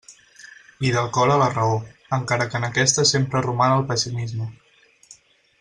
I del cor a la raó, encara que en aquesta sempre roman el pessimisme.